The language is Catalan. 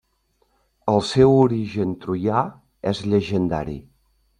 El seu origen troià és llegendari.